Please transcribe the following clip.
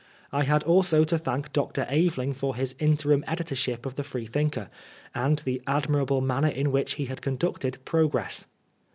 I had also to thank Dr. Aveling for hi§ interim editorship of the Freethinker^ and the admirable manner in which he had conducted Pro gress.